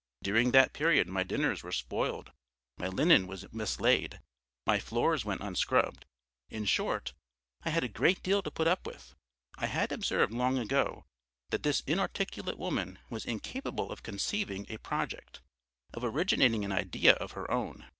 During that period my dinners were spoiled, my linen was mislaid, my floors went unscrubbed; in short, I had a great deal to put up with. I had observed long ago that this inarticulate woman was incapable of conceiving a project, of originating an idea of her own.